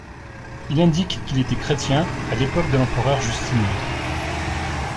Il indique qu'il était chrétien à l'époque de l'empereur Justinien.